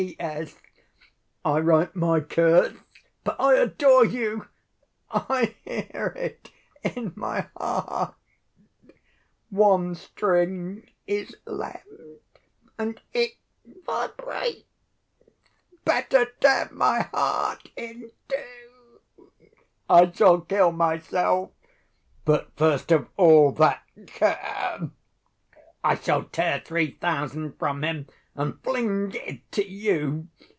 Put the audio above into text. P.S.—I write my curse, but I adore you! I hear it in my heart. One string is left, and it vibrates. Better tear my heart in two! I shall kill myself, but first of all that cur. I shall tear three thousand from him and fling it to you.